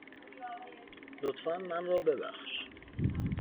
لطفاً من را ببخش.